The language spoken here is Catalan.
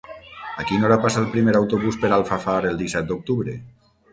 A quina hora passa el primer autobús per Alfafar el disset d'octubre?